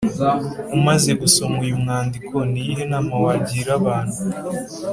umaze gusoma uyu mwandiko ni iyihe nama wagira abantu